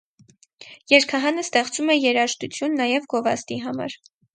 Երգահանը ստեղծում է երաժշտություն նաև գովազդի համար։